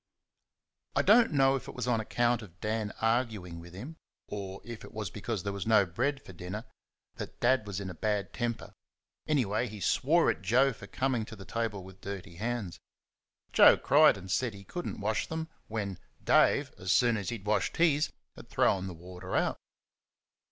I don't know if it was on account of Dan arguing with him, or if it was because there was no bread for dinner, that Dad was in a bad temper; anyway, he swore at Joe for coming to the table with dirty hands. Joe cried and said that he could n't wash them when Dave, as soon as he had washed his, had thrown the water out.